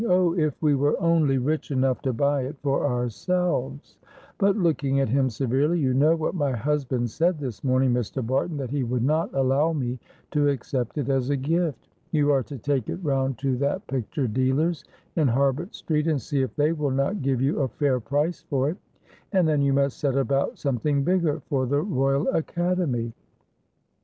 Oh, if we were only rich enough to buy it for ourselves, but," looking at him severely, "you know what my husband said this morning, Mr. Barton, that he would not allow me to accept it as a gift. You are to take it round to that picture dealer's in Harbut Street, and see if they will not give you a fair price for it, and then you must set about something bigger for the Royal Academy."